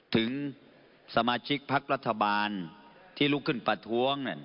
ถึงสมาชิกพักรัฐบาลที่ลุกขึ้นประท้วง